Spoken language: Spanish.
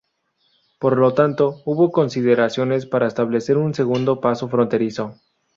Por lo tanto, hubo consideraciones para establecer un segundo paso fronterizo.